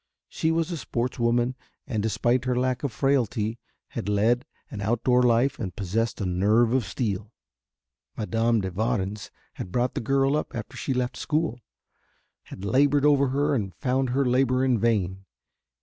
She was a sportswoman and, despite her lack of frailty, had led an outdoor life and possessed a nerve of steel. Madame de Warens had brought the girl up after she left school, had laboured over her and found her labour in vain.